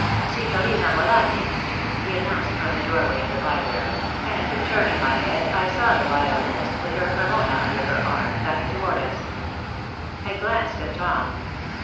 "Signorina Molatti," he announced from the doorway of the library, and turning my head I saw the violiniste, with her Cremona under her arm, coming toward us. I glanced at Tom.